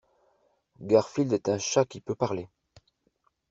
Garfield est un chat qui peut parler.